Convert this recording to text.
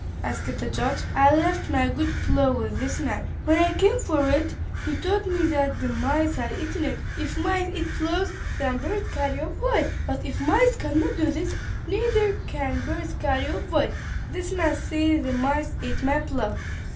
asked the judge. "I left my good plow with this man. When I came for it he told me that the mice had eaten it. If mice eat plows, then birds carry off boys; but if mice cannot do this, neither can birds carry off boys. This man says the mice ate my plow."